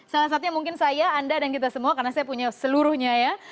salah satunya mungkin saya anda dan kita semua karena saya punya seluruhnya ya